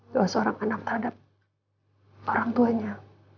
ke seorang anak terhadap orang tuanya